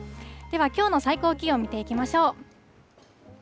では、きょうの最高気温、見ていきましょう。